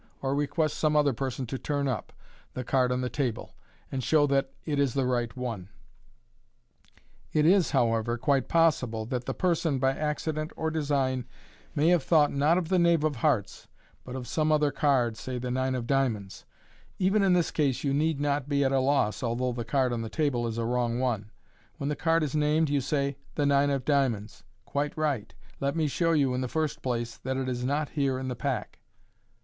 of request some other person to turn up, the card on the table, and show that it is the right one. ♦ The reader should specially note this expedient a* it is of constant use to eon hiring. MODERN MAGIC. tt$ It is, however, quite possible that the person, by accident or design, may have thought, not of the knave of hearts, but of some other card, say the nine of diamonds. Even in this case you need not be at a loss, although the card on the table is a wrong one. When the card is named, you say, " The nine of diamonds. Quite right ! Let me show you, in the first place, that it is not here in the pack.'